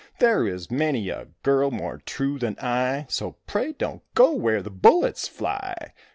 There is many a girl more true than I, So pray don't go where the bullets fly."